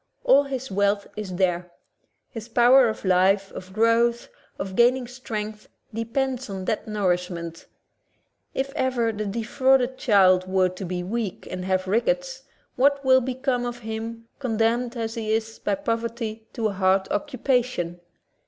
All his wealth is there; his power of life, of growth, of gaining strength depends on that nourishment. If ever the defrauded child were to be weak and have rickets, what will become of him, condemned as he is by poverty to a hard occupation?